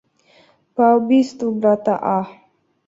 по убийству брата А.